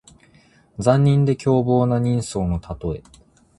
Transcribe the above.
残忍で凶暴な人相のたとえ。